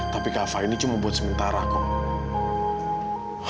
tapi kava ini cuma buat sementara kok